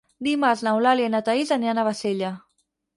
Dimarts n'Eulàlia i na Thaís aniran a Bassella.